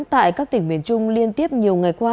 tại các tỉnh miền trung liên tiếp nhiều ngày qua